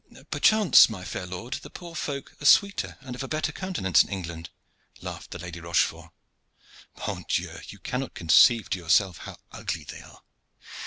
"Perchance, my fair lord, the poor folk are sweeter and of a better countenance in England," laughed the Lady Rochefort. "Mon Dieu! you cannot conceive to yourself how ugly they are!